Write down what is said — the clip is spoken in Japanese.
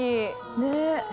ねえ。